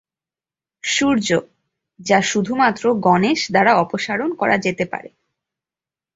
সূর্য, যা শুধুমাত্র গণেশ দ্বারা অপসারণ করা যেতে পারে।